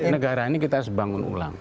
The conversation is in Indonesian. negara ini kita harus bangun ulang